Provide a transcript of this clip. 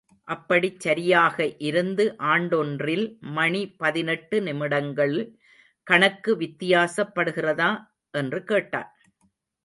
அப்படிச் சரியாக இருந்து ஆண்டொன்றில் மணி பதினெட்டு நிமிடங்கள் கணக்கு வித்தியாசப்படுகிறதா? என்று கேட்டான்.